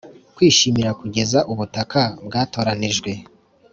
kwishimira kugeza ubutaka bwatoranijwe,